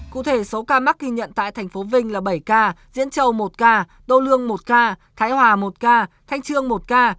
cụ thể số ca mắc ghi nhận tại thành phố vinh là bảy ca diễn châu một ca đô lương một ca thái hòa một ca thanh trương một ca